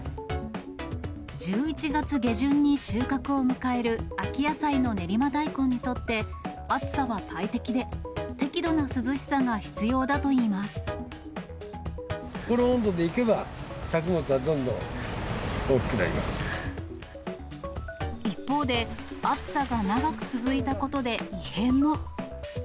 １１月下旬に収穫を迎える秋野菜の練馬大根にとって暑さは大敵で、適度な涼しさが必要だといこの温度でいけば、作物はど一方で、暑さが長く続いたことで異変も。